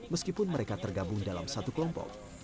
meskipun mereka tergabung dalam satu kelompok